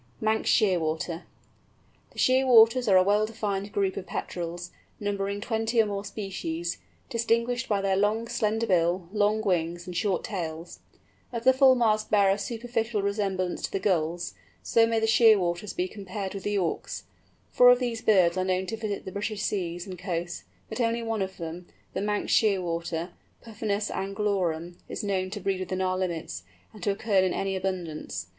MANX SHEARWATER. The Shearwaters are a well defined group of Petrels, numbering twenty or more species, distinguished by their long, slender bill, long wings, and short tails. As the Fulmars bear a superficial resemblance to the Gulls, so may the Shearwaters be compared with the Auks. Four of these birds are known to visit the British seas and coasts, but only one of them, the Manx Shearwater, Puffinus anglorum, is known to breed within our limits, and to occur in any abundance.